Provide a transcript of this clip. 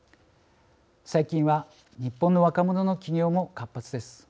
最近は日本の若者の起業も活発です。